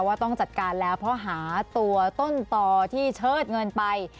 ว่าต้องจัดการแล้วเพราะหาตัวต้นต่อที่เชิดเงินไป